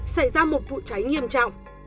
xảy ra một vụ cháy nghiêm trọng